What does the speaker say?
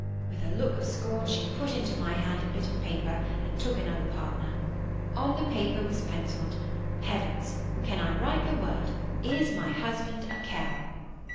With a look of scorn, she put into my hand a bit of paper, and took another partner. On the paper was pencilled, 'Heavens! Can I write the word? Is my husband a cow?